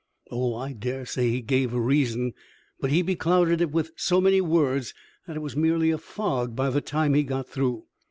"Oh, I dare say he gave a reason, but he beclouded it with so many words that it was merely a fog by the time he got through.